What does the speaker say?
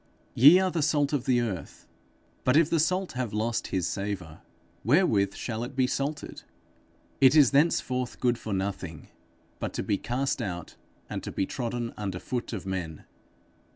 _ 'Ye are the salt of the earth; but if the salt have lost his savour, wherewith shall it be salted? It is thenceforth good for nothing, but to be cast out, and to be trodden under foot of men.